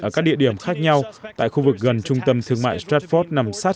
ở các địa điểm khác nhau tại khu vực gần trung tâm thương mại stratford nằm sát